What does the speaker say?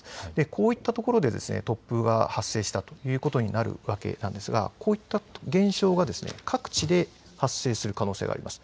こういった所で突風が発生したということになるわけなんですが、こういった現象が、各地で発生する可能性があります。